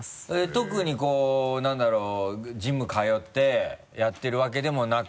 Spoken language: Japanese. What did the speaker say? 特にこうなんだろうジム通ってやってるわけでもなく？